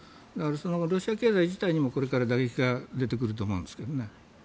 だから、ロシア経済自体にもこれから打撃が出てくると思うんですけどね。